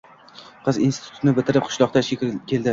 Qiz institutni bitirib, qishloqqa ishga keldi